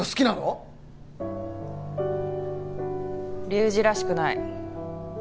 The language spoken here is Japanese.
龍二らしくない。